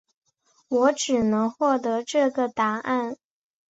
我只能获得这个答案